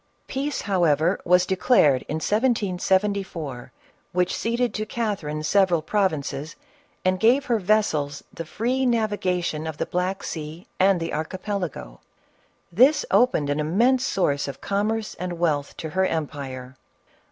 Peace however was de clared, in 1774, which ceded to Catherine several prov inces, and gave her vessels the free navigation of the Black Sea and the Archipelago ; this opened an im mense source of commerce and wealth to her empire.